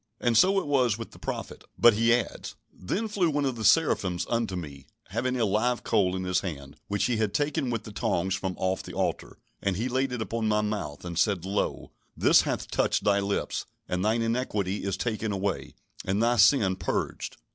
And so it was with the prophet. But he adds: "Then flew one of the seraphims unto me, having a live coal in his hand, which he had taken with the tongs from off the altar. And he laid it upon my mouth, and said, Lo, this hath touched thy lips; and thine iniquity is taken away, and thy sin purged."